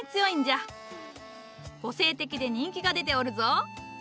個性的で人気が出ておるぞ。